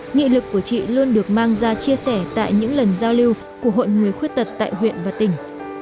nghị lực của chị luôn được mang ra chia sẻ tại những lần giao lưu của hội người khuyết tật tại huyện và tỉnh